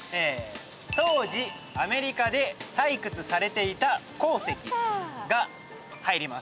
当時アメリカで採掘されていた鉱石が入ります。